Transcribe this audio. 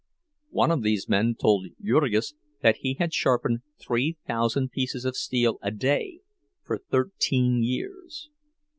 One of these men told Jurgis that he had sharpened three thousand pieces of steel a day for thirteen years.